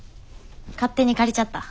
勝手に借りちゃった。